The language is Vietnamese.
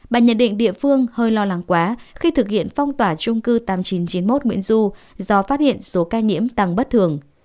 bà nhận định địa phương hơi lo lắng quá khi thực hiện phong tỏa trung cư tám nghìn chín trăm chín mươi một nguyễn du do phát hiện số ca nhiễm tăng bất thường